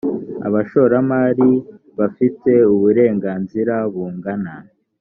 abashoramari bafite uburenganzira bungana